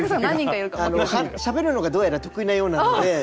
しゃべるのがどうやら得意なようなので。